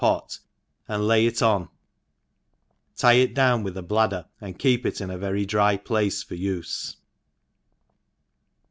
pot, and lay it on, tie it down with a bladder, and keep it in a very dry place for ufe.